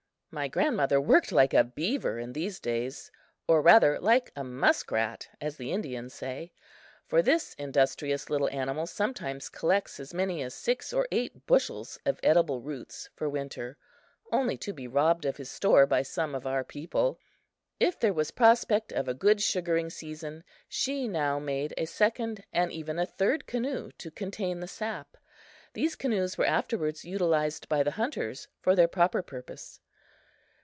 My grandmother worked like a beaver in these days (or rather like a muskrat, as the Indians say; for this industrious little animal sometimes collects as many as six or eight bushels of edible roots for the winter, only to be robbed of his store by some of our people). If there was prospect of a good sugaring season, she now made a second and even a third canoe to contain the sap. These canoes were afterward utilized by the hunters for their proper purpose.